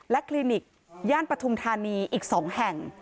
คลินิกย่านปฐุมธานีอีก๒แห่ง